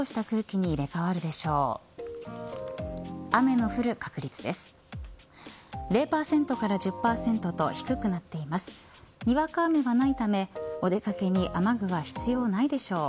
にわか雨はないためお出掛けに雨具は必要ないでしょう。